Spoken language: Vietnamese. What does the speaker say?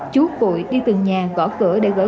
chú cụi đi từng nhà gõ cửa để gửi